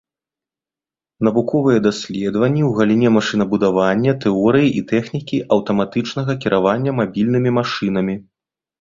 Навуковыя даследаванні ў галіне машынабудавання, тэорыі і тэхнікі аўтаматычнага кіравання мабільнымі машынамі.